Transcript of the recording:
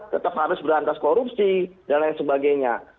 tetap harus berantas korupsi dan lain sebagainya